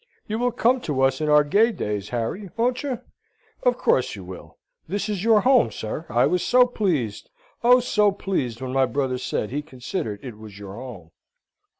You will come to us in our gay days, Harry, won't you? Of course you will: this is your home, sir. I was so pleased oh, so pleased when my brother said he considered it was your home!"